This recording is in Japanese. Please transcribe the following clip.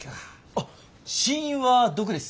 あっ死因は毒です。